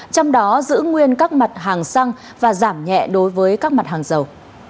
trong đó giữ nguyên các mặt hàng xăng và giảm nhẹ đối với các mặt hàng dầu